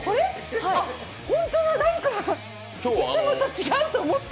ホントだ、なんかいつもと違うと思った。